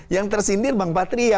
yang tersindir bang patria